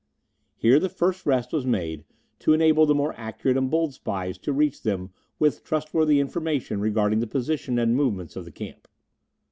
Here the first rest was made to enable the more accurate and bold spies to reach them with trustworthy information regarding the position and movements of the camp.